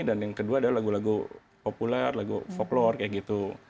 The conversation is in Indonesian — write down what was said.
dan yang kedua adalah lagu lagu populer lagu folklore kayak gitu